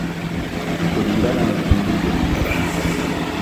Kulingana na Kindija